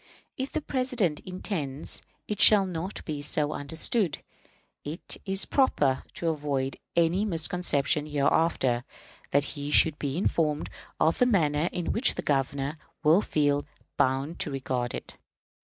"If the President intends it shall not be so understood, it is proper, to avoid any misconception hereafter, that he should be informed of the manner in which the Governor will feel bound to regard it.